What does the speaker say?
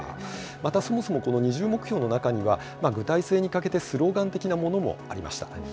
また、そもそもこの二重目標の中には、具体性に欠けて、スローガン的なものもありました。